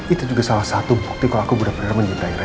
itu juga salah satu bukti kalau aku benar benar mencintai saya